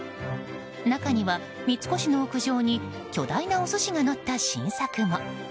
中には、三越の屋上に巨大なお寿司が乗った新作も。